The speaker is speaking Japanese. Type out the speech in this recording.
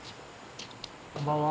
こんばんは。